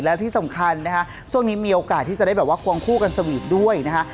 และที่สำคัญนะฮะช่วงนี้มีโอกาสที่จะได้แบบว่าควงคู่กันสวีทด้วยนะฮะ